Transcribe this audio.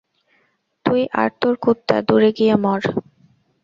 তুই আর তোর কুত্তা দূরে গিয়া মর!